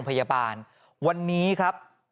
ปี๖๕วันเช่นเดียวกัน